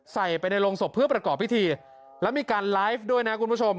ใส่ไปในโรงศพเพื่อประกอบพิธีแล้วมีการไลฟ์ด้วยนะคุณผู้ชม